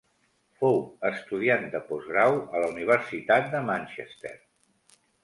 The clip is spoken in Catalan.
Fou estudiant de postgrau a la Universitat de Manchester.